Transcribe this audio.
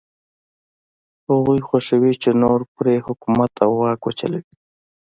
هغوی خوښوي چې نور پرې حکومت او واک وچلوي.